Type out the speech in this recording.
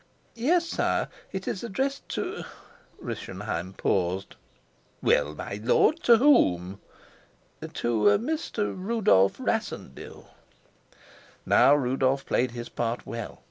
"Yes, sire. It is addressed to " Rischenheim paused. "Well, my lord, to whom?" "To a Mr. Rudolf Rassendyll." Now Rudolf played his part well.